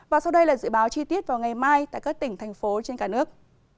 và sau đây là dự báo chi tiết vào ngày mai tại các tỉnh thành phố trên cả nước